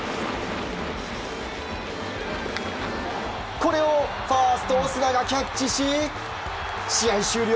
これをファースト、オスナがキャッチし試合終了。